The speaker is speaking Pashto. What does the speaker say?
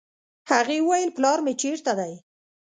هغې وويل پلار مې چېرته دی.